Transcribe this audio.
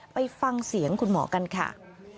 ไปฟังเสียงคุณหมอกันค่ะ